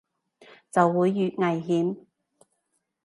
就會越危險